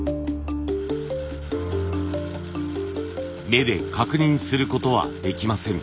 目で確認することはできません。